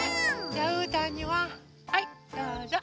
じゃうーたんにははいどうぞ。